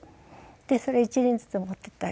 でそれ１輪ずつ持っていったり。